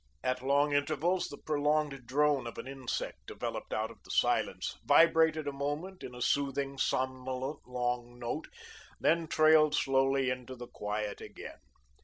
At long intervals the prolonged drone of an insect developed out of the silence, vibrated a moment in a soothing, somnolent, long note, then trailed slowly into the quiet again.